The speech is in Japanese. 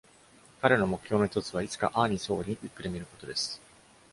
彼の目標の一つは、いつかアーニスをオリンピックで観ることです。